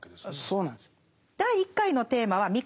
そうなんです。